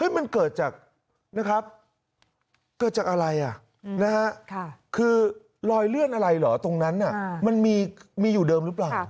มันเกิดจากอะไรคะคือลอยเลื่อนอะไรเหรอตรงนั้นมีอยู่เดิมหรือเปล่า